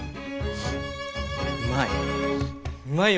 うまい。